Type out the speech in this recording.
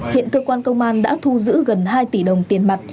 hiện cơ quan công an đã thu giữ gần hai tỷ đồng tiền mặt